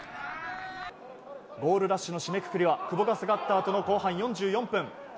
ゴールラッシュの締めくくりは久保が下がったあとの後半４４分。